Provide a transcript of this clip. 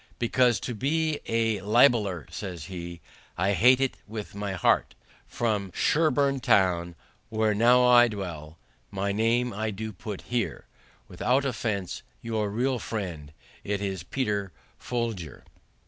"Because to be a libeller (says he) I hate it with my heart; From Sherburne town, where now I dwell My name I do put here; Without offense your real friend, It is Peter Folgier."